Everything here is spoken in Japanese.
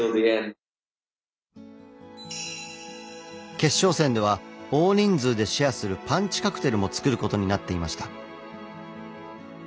決勝戦では大人数でシェアするパンチカクテルも作ることになっていました。